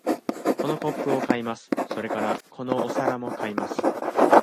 このコップを買います。それから、このお皿も買います。